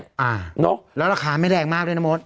อ่าแล้วราคาไม่แรงมากเลยนะโมส